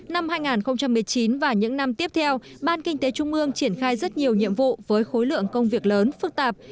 năm hai nghìn một mươi chín và những năm tiếp theo ban kinh tế trung ương triển khai rất nhiều nhiệm vụ với khối lượng công việc lớn phức tạp